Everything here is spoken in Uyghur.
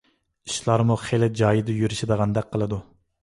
ئىشلارمۇ خېلى جايىدا يۈرۈشىدىغاندەك قىلىدۇ.